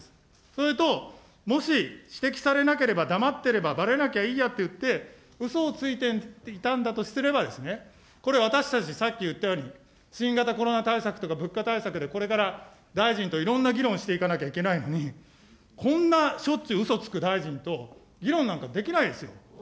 それと、もし指摘されなかった、黙っていれば、ばれなきゃいいやっていって、うそをついていたんだとすれば、これ、私たちさっき言ったように、新型コロナ対策とか、物価対策でこれから大臣といろんな議論をしていかなきゃいけないのに、こんなしょっちゅううそつく大臣と議論なんかできないですよ。